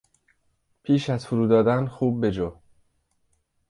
پیش از فرو دادن خوب بجو!